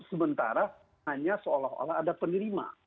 sementara hanya seolah olah ada penerima